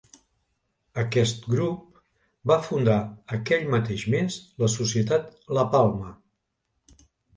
Aquest grup va fundar aquell mateix mes la Societat La Palma.